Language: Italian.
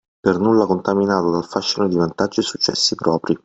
Per nulla contaminato dal fascino di vantaggi e successi propri